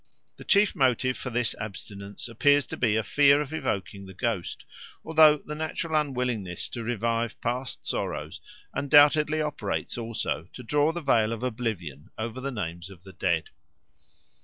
The chief motive for this abstinence appears to be a fear of evoking the ghost, although the natural unwillingness to revive past sorrows undoubtedly operates also to draw the veil of oblivion over the names of the dead.